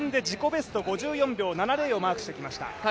ベスト５４秒７０をマークしてきました。